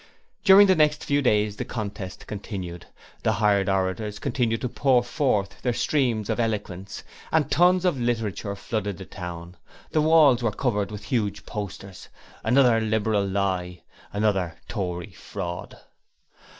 During the next few days the contest continued. The hired orators continued to pour forth their streams of eloquence; and tons of literature flooded the town. The walls were covered with huge posters: 'Another Liberal Lie.' 'Another Tory Fraud.'